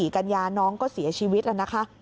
กันยาน้องก็เสียชีวิตแล้วนะคะ